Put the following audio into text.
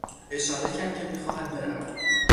اشاره کرد که میخواهد برود.